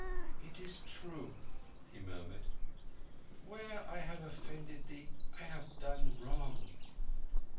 "It is true," he murmured. "Where I have offended thee I have done wrong."